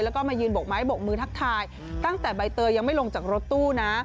แล้วก็มายืนบกไม้บกมือทักทายตั้งแต่ใบเตยยังไม่ลงจากรถตู้นะ